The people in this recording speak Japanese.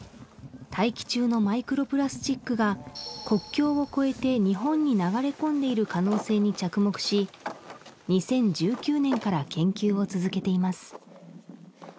大気中のマイクロプラスチックが国境を越えて日本に流れ込んでいる可能性に着目し２０１９年から研究を続けています